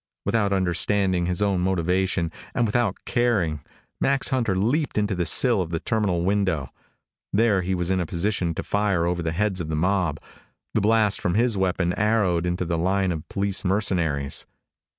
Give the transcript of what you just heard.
Without understanding his own motivation and without caring Max Hunter leaped into the sill of the terminal window. There he was in a position to fire over the heads of the mob. The blast from his weapon arrowed into the line of police mercenaries.